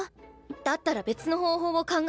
だったら別の方法を考える。